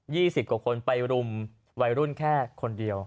สิบกว่าคนไปรุมวัยรุ่นแค่คนเดียว